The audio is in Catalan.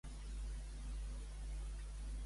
Fins on s'expandia el districte de Ghiaggiolo?